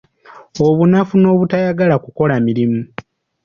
Obunafu n'obutayagala kukola mirimu.